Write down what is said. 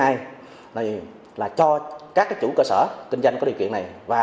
cái thứ ba là cho các khách vào lưu trú và chịu trách nhiệm đối với khách lưu trú